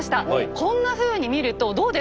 こんなふうに見るとどうです？